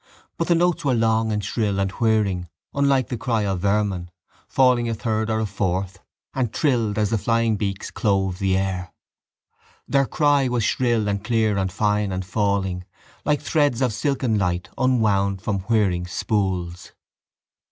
But the notes were long and shrill and whirring, unlike the cry of vermin, falling a third or a fourth and trilled as the flying beaks clove the air. Their cry was shrill and clear and fine and falling like threads of silken light unwound from whirring spools.